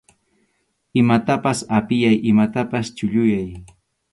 Imatapas apiyay, imatapas chulluyay.